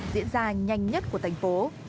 diễn ra nhanh nhất của thành phố